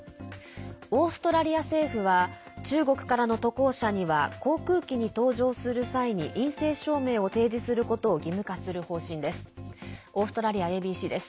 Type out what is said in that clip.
オーストラリア政府は中国からの渡航者には航空機に搭乗する際に陰性証明を提示することを義務化する方針です。